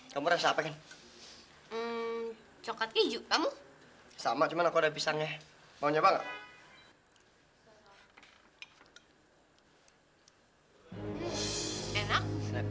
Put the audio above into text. kamu rasa pengen coklat keju kamu sama cuman aku ada pisangnya mau nyoba enggak enak